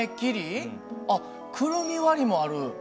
あっくるみ割りもある。